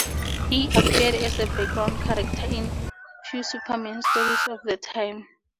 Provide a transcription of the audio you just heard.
He appeared as a background character in a few Superman stories of the time.